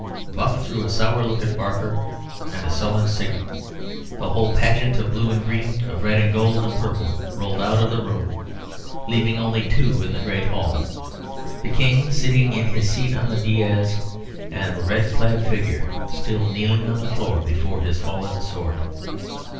Buck threw a sour look at Barker, and at a sullen signal the whole pageant of blue and green, of red, gold, and purple, rolled out of the room, leaving only two in the great hall, the King sitting in his seat on the daïs, and the red clad figure still kneeling on the floor before his fallen sword.